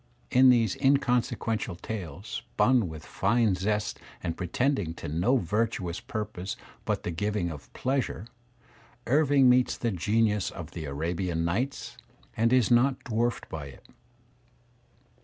In these inconse quential tales, spun with fine zest and pretending to no virtuous purpose but the giving of pleasure, Irving meets the genius of the Arabian nights and is not dwarfed by it.